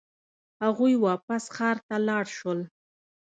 هغوی واپس ښار ته لاړ شول.